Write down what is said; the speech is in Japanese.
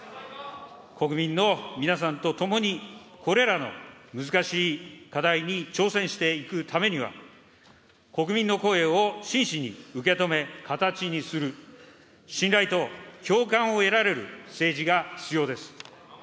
国民の皆さんと共に、これらの難しい課題に挑戦していくためには、国民の声を真摯に受け止め、形にする、信頼と共感を得られる政治が必要です。